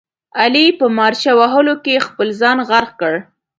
علي په مارچه وهلو کې خپل ځان غرق کړ.